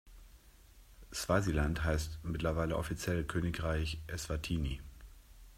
Swasiland heißt mittlerweile offiziell Königreich Eswatini.